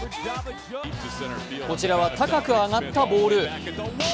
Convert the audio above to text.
こちらは高く上がったボール。